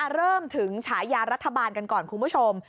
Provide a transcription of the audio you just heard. เริ่มถึงฉายารัฐบาลกันก่อนคุณผู้ชม